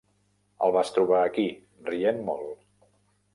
El vas trobar aquí, rient molt.